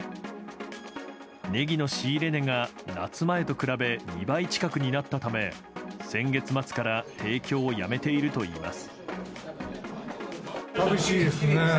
ネギの仕入れ値が夏前と比べ２倍近くになったため先月末から提供をやめているといいます。